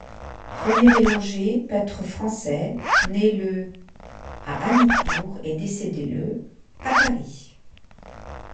René Bellanger, peintre français, né le à Agnicourt et décédé le à Paris.